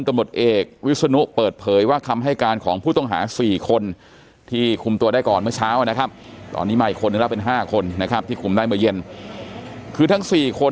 จริงจริงจริงจริงจริงจริงจริงจริงจริงจริงจริงจริง